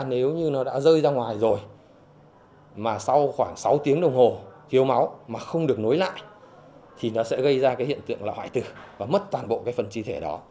nếu như nó đã rơi ra ngoài rồi mà sau khoảng sáu tiếng đồng hồ thiếu máu mà không được nối lại thì nó sẽ gây ra cái hiện tượng là hoại tử và mất toàn bộ cái phần chi thể đó